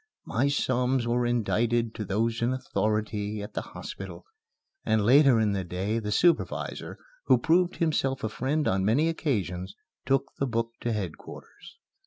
My psalms were indited to those in authority at the hospital, and later in the day the supervisor who proved himself a friend on many occasions took the book to headquarters.